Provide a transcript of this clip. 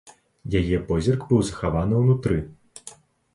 Яе позірк быў захаваны ўнутры.